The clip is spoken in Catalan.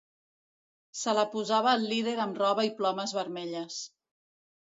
Se la posava el líder amb roba i plomes vermelles.